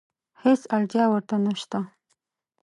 هېڅ اړتیا ورته نشته.